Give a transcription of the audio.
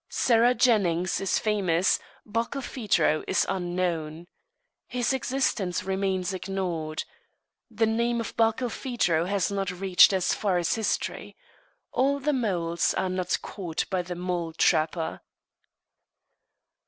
Sarah Jennings is famous; Barkilphedro is unknown. His existence remains ignored. The name of Barkilphedro has not reached as far as history. All the moles are not caught by the mole trapper.